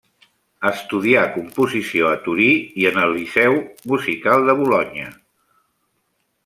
Estudià composició a Torí i en el Liceu Musical de Bolonya.